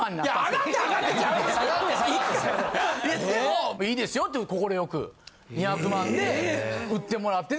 でもいいですよと快く２００万で売ってもらって。